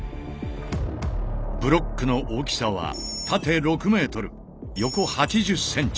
ブロックの大きさは縦６ｍ横８０ｃｍ